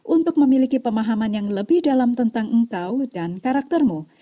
untuk memiliki pemahaman yang lebih dalam tentang engkau dan karaktermu